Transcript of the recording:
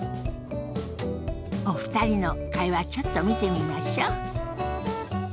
お二人の会話ちょっと見てみましょ。